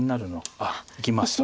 あっいきました。